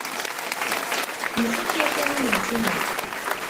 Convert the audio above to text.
Nfuk yakan imensi-nneɣ.